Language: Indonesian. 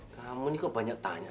kamu ini kok banyak tanya